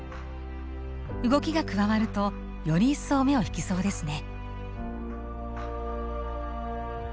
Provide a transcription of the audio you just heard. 動きが加わるとより一層目を引きそうですね。